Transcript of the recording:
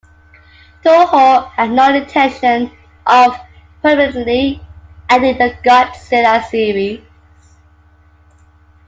Toho had no intention of permanently ending the Godzilla series.